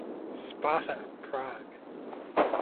Sparta Prague